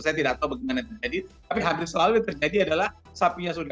saya tidak tahu bagaimana terjadi tapi hampir selalu yang terjadi adalah sapinya sudah